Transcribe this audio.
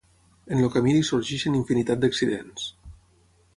En el camí li sorgeixen infinitat d'accidents.